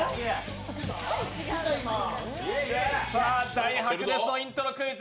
大白熱のイントロクイズ